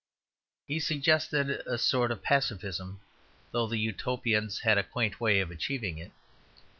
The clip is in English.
He suggested a sort of pacifism though the Utopians had a quaint way of achieving it.